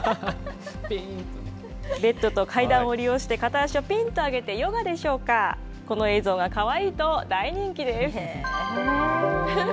ベッドと階段を利用して片足をぴーんと上げて、ヨガでしょうか、この映像がかわいいと大人気です。